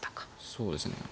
そうですね。